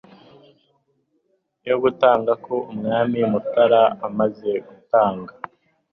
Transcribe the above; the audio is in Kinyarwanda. yo gutanga k' Umwami. Mutara amaze gutanga,